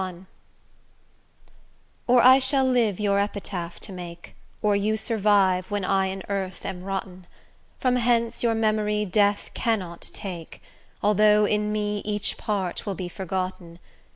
LXXXI Or I shall live your epitaph to make, Or you survive when I in earth am rotten; From hence your memory death cannot take, Although in me each part will be forgotten.